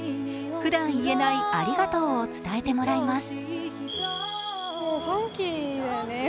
ふだん言えない「ありがとう」を伝えてもらいます。